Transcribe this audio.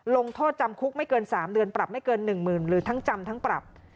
ลงโทษจำคุกไม่เกิน๓เดือนปรับไม่เกิน๑๐๐๐หรือทั้งจำทั้งปรับ